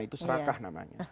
itu serakah namanya